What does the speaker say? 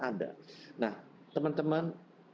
ada nah teman teman